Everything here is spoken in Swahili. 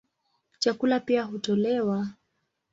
Chakula pia hutolewa.